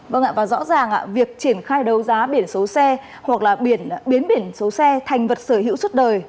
vâng ạ và rõ ràng việc triển khai đấu giá biển số xe hoặc là biến biển số xe thành vật sở hữu suốt đời